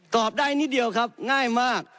ตอบได้นิดเดียวครับง่ายมาก